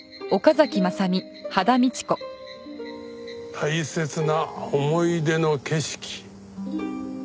大切な思い出の景色。